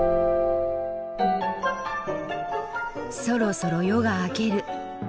そろそろ夜が明ける。